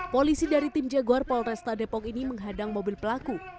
polisi dari tim jagor polresta depok ini menghadang mobil pelaku